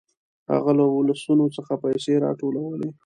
هغه له ولسونو څخه پيسې راټولولې.